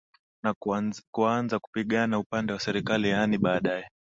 na kuanza kupigana upande wa serikali yaani baadae